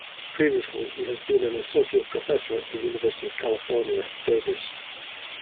Previously he has been an Associate Professor at the University of California, Davis.